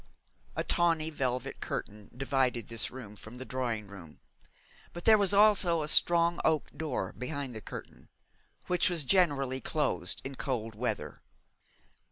A tawny velvet curtain divided this room from the drawing room; but there was also a strong oak door behind the curtain, which was generally closed in cold weather.